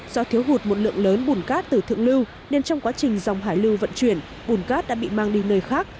do thiếu hụt một lượng lớn bùn cát từ thượng lưu nên trong quá trình dòng hải lưu vận chuyển bùn cát đã bị mang đi nơi khác